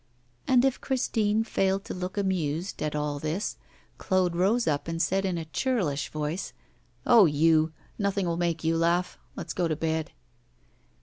And if Christine failed to look amused at all this, Claude rose up and said, in a churlish voice: 'Oh, you; nothing will make you laugh let's go to bed.